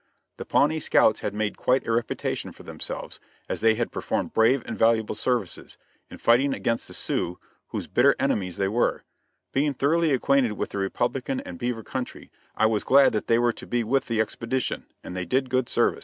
The Pawnee scouts had made quite a reputation for themselves as they had performed brave and valuable services, in fighting against the Sioux, whose bitter enemies they were; being thoroughly acquainted with the Republican and Beaver country, I was glad that they were to be with the expedition, and they did good service.